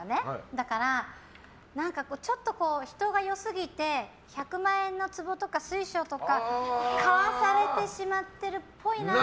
だからちょっと、人が良すぎて１００万円のつぼとか水晶とか買わされてしまってるっぽいなと。